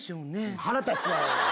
腹立つわ。